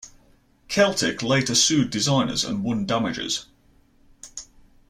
Celtic later sued the designers and won damages.